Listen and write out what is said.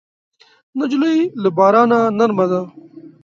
نجلۍ له بارانه نرمه ده.